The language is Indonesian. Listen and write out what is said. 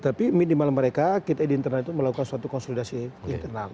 tapi minimal mereka kita di internal itu melakukan suatu konsolidasi internal